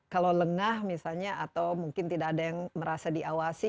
kalau lengah misalnya atau mungkin tidak ada yang merasa diawasi